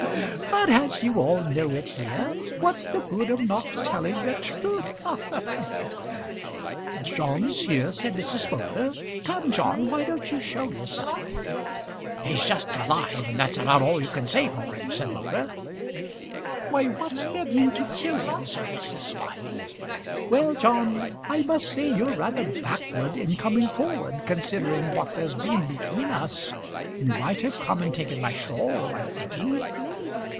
But as you all know it here, what's the good of not telling the truth? Ha, ha, ha!" "John's here," said Mrs. Moulder. "Come, John, why don't you show yourself?" "He's just alive, and that's about all you can say for him," said Moulder. "Why, what's there been to kill him?" said Mrs. Smiley. "Well, John, I must say you're rather backward in coming forward, considering what there's been between us. You might have come and taken my shawl, I'm thinking."